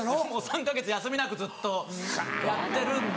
３か月休みなくずっとやってるんで。